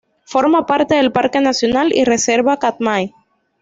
Forma parte del parque nacional y reserva Katmai.